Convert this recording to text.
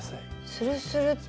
スルスルッと。